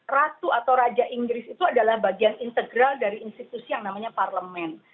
ratu atau raja inggris itu adalah bagian integral dari institusi yang namanya parlemen